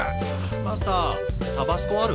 マスタータバスコある？